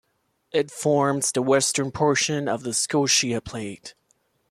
It forms the western portion of the Scotia Plate.